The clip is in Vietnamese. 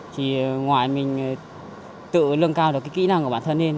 thì ngoài mình tự lương cao được cái kỹ năng của bản thân lên